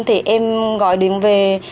thì em gọi điện về